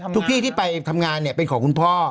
ทุกที่ที่ไปทำงานเนี่ยเป็นของคุณพ่อ